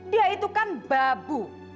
dia itu kan babu